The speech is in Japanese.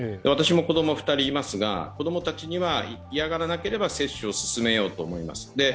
私も子供２人いますが、子供たちには嫌がらなければ接種を勧めようと思います。